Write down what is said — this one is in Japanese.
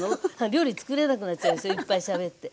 料理つくれなくなっちゃうでしょいっぱいしゃべって。